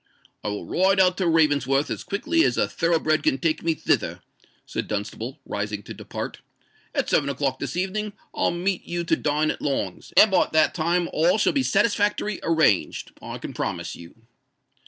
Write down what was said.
"I will ride out to Ravensworth as quickly as a thorough bred can take me thither," said Dunstable, rising to depart. "At seven o'clock this evening I'll meet you to dine at Long's; and by that time all shall be satisfactory arranged, I can promise you."